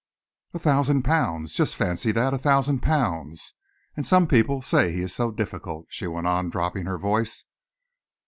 "A thousand pounds! Just fancy that a thousand pounds! And some people say he is so difficult," she went on, dropping her voice.